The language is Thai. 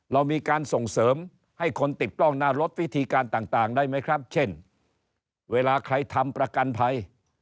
เรามีการส่งเสริมให้คนติดกล้องหน้ารถวิธีการต่างได้ไหมครับเช่นเวลาใครทำประกันภัย